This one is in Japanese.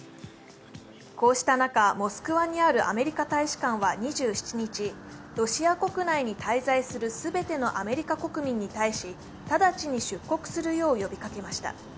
こうした中、モスクワにあるアメリカ大使館は２７日ロシア国内に滞在する全てのアメリカ国民に対し、直ちに出国するよう呼びかけました。